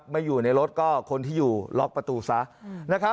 มาอยู่ในรถก็คนที่อยู่ล็อกประตูซะ